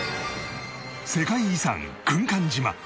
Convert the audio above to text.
世界遺産軍艦島